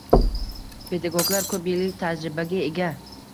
Pedagoglar ko‘p yillik tajribaga ega.